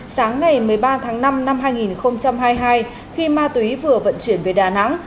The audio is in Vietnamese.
sáng ngày một mươi ba tháng năm năm hai nghìn hai mươi hai khi ma túy vừa vận chuyển về đà nẵng